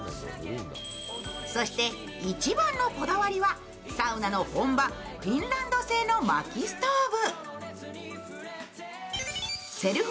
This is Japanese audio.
そして、一番のこだわりはサウナの本場フィンランド製のまきストーブ。